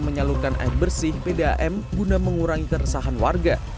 menyalurkan air bersih pdam guna mengurangi keresahan warga